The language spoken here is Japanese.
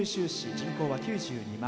人口は９２万。